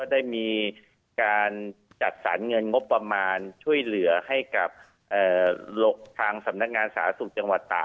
ได้มีการจัดสรรเงินงบประมาณช่วยเหลือให้กับทางสำนักงานสาธารณสุขจังหวัดตาก